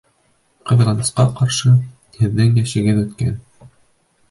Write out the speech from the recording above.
Ҡыҙғанысҡа ҡаршы, һеҙҙең йәшегеҙ үткән.